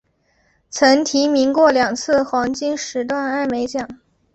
曾提名过两次黄金时段艾美奖。